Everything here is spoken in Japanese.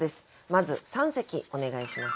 まず三席お願いします。